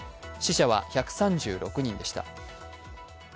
死者は１３６人でした。